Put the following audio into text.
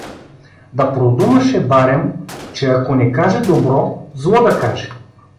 Да продумаше барем, че ако не каже добро, зло да каже.